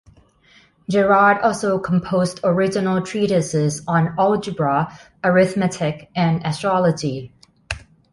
Gerard also composed original treatises on algebra, arithmetic and astrology.